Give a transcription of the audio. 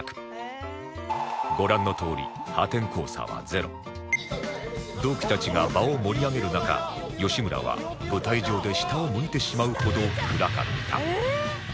ご覧のとおり同期たちが場を盛り上げる中吉村は舞台上で下を向いてしまうほど暗かった